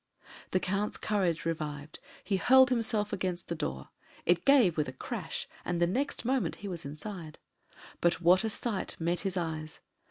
The Count's courage revived: he hurled himself against the door; it gave with a crash, and the next moment he was inside. But what a sight met his eyes!